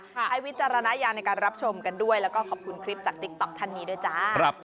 วิจารณญาณในการรับชมกันด้วยแล้วก็ขอบคุณคลิปจากติ๊กต๊อกท่านนี้ด้วยจ้า